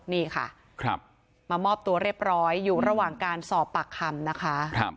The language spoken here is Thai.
นี่ค่ะมามอบตัวเรียบร้อยอยู่ระหว่างการสอบปากคำนะคะ